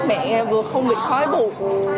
mẹ vừa không bị khói bụt